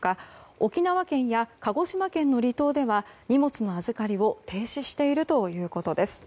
沖縄県や鹿児島県の離島では荷物の預かりを停止しているということです。